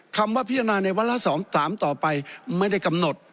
คำว่าพิจารณาในวาระ๒๓ต่อไปไม่ได้กำหนด